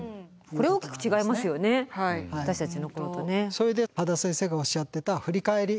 それで秦先生がおっしゃってた振り返り